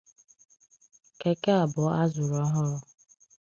Keke abụọ a zụrụ ọhụụ